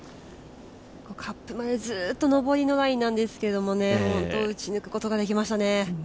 カップまでずっと上りのラインなんですけど本当に打ち抜くことができましたね。